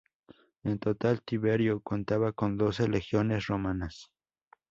En total Tiberio contaba con doce legiones romanas.